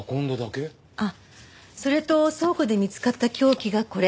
あっそれと倉庫で見つかった凶器がこれ。